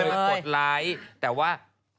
มากดไลค์แต่ว่า